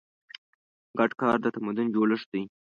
ګډ کار د تمدن جوړښت دی.